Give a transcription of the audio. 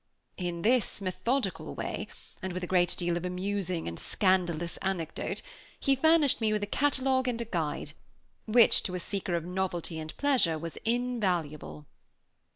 In this methodical way, and with a great deal of amusing and scandalous anecdote, he furnished me with a catalogue and a guide, which, to a seeker of novelty and pleasure, was invaluable.